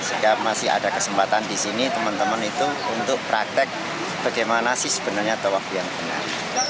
sehingga masih ada kesempatan di sini teman teman itu untuk praktek bagaimana sih sebenarnya tawaf yang benar